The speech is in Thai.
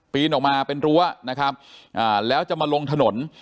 ออกมาเป็นรั้วนะครับแล้วจะมาลงถนน